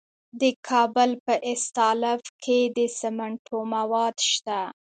د کابل په استالف کې د سمنټو مواد شته.